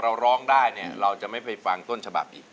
เราร้องได้เนี่ยเราจะไม่ไปฟังต้นฉบับอีก